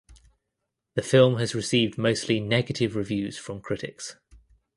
The film has received mostly negative reviews from critics.